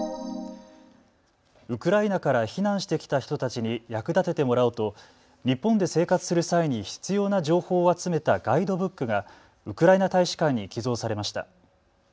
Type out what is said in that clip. ウクライナから避難してきた人たちに役立ててもらおうと日本で生活する際に必要な情報を集めたガイドブックがウクライナ大使館に寄贈されました。